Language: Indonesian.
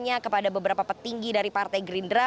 kami bertanya kepada beberapa petinggi dari partai gerindra